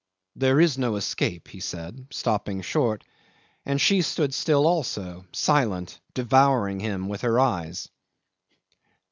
"There is no escape," he said, stopping short, and she stood still also, silent, devouring him with her eyes.